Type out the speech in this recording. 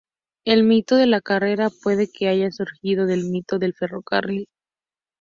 El mito de la carretera puede que haya surgido del mito del ferrocarril.